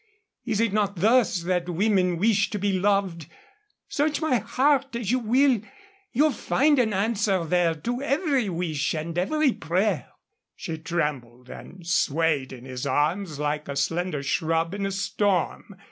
Is it not thus that women wish to be loved? Search my heart as you will, you'll find an answer there to every wish and every prayer." She trembled and swayed in his arms like a slender shrub in a storm.